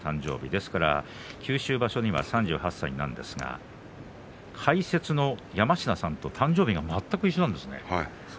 ですから九州場所には３８歳なんですが解説の山科さんと誕生日が全く一緒なんですね。